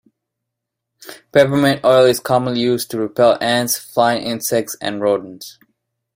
Peppermint oil is commonly used to repel ants, flying insects, and rodents.